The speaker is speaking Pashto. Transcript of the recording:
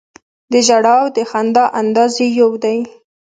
د ژړا او د خندا انداز یې یو دی.